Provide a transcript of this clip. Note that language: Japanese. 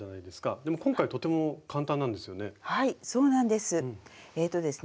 でも今回とても簡単なんですよね？